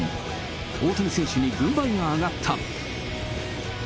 大谷選手に軍配が上がった。